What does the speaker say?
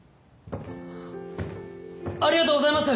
ありがとうございます！